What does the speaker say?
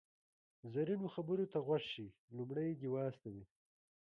زرینو خبرو ته غوږ شئ، لومړی دې و استوئ.